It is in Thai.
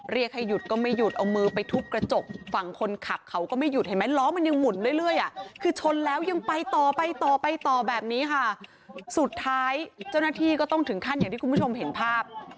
เรียกให้หยุดก็ไม่หยุดเอามือไปทุบกระจกฝั่งคนขับเขาก็ไม่หยุดเห็นไหมล้อมันยังหมุนเรื่อยอ่ะคือชนแล้วยังไปต่อไปต่อไปต่อแบบนี้ค่ะสุดท้ายเจ้าหน้าที่ก็ต้องถึงขั้นอย่างที่คุณผู้ชมเห็นภาพ